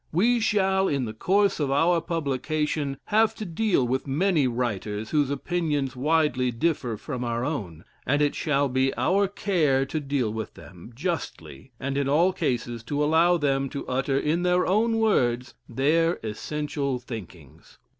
We shall, in the course of our publication, have to deal with many writers whose opinions widely differ from our own, and it shall be our care to deal with them justly and in all cases to allow them to utter in their own words their essential thinkings.